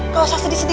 gak usah sedih sedih